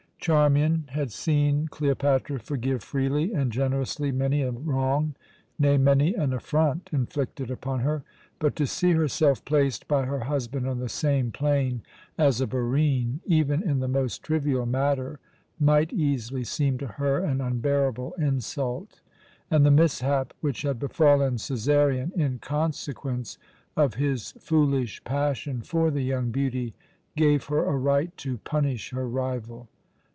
Charmian had seen Cleopatra forgive freely and generously many a wrong, nay, many an affront, inflicted upon her; but to see herself placed by her husband on the same plane as a Barine, even in the most trivial matter, might easily seem to her an unbearable insult; and the mishap which had befallen Cæsarion, in consequence of his foolish passion for the young beauty, gave her a right to punish her rival.